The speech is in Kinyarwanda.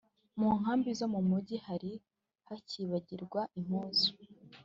mu nkambi zo mu gihugu hari hakibarirwa impunzi